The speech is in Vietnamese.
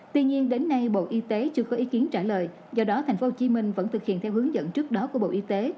tuy nhiên đến nay bộ y tế chưa có ý kiến trả lời do đó tp hcm vẫn thực hiện theo hướng dẫn trước đó của bộ y tế